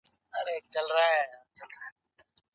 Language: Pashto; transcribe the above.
زه هڅه کوم چې د خولې ضد مواد سمه توګه وکاروم.